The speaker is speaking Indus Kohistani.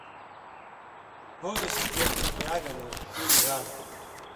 ہُگیۡ سُگائ چُن٘ڑیۡرا گلے پوریۡ رال